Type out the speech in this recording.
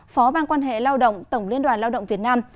phó ban quan hệ lao động tổng liên đoàn lao động việt nam